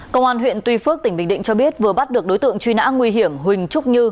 công an huyện tuy phước tỉnh bình định cho biết vừa bắt được đối tượng truy nã nguy hiểm huỳnh trúc như